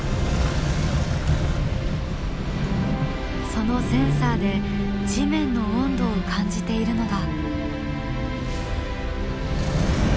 そのセンサーで地面の温度を感じているのだ。